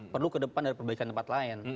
perlu ke depan dari perbaikan tempat lain